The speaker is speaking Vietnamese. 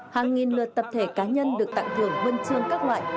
hàng nghìn lượt tập thể cá nhân được tặng thưởng huân chương các loại